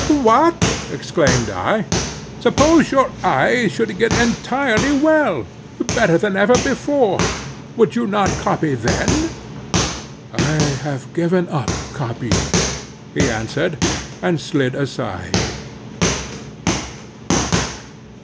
"What!" exclaimed I; "suppose your eyes should get entirely well—better than ever before—would you not copy then?" "I have given up copying," he answered, and slid aside.